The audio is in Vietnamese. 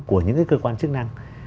của những cái cơ quan chức năng